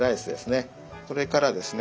それからですね